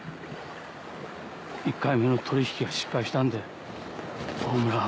１回目の取り引きが失敗したんでオオムラは。